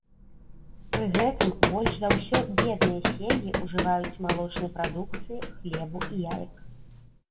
Пры гэтым больш за ўсё бедныя сем'і ўжываюць малочнай прадукцыі, хлебу і яек.